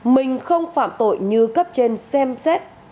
mình không phạm tội như cấp trên xem xét